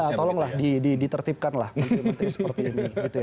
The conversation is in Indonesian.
iya tolonglah ditertibkanlah menteri menteri seperti ini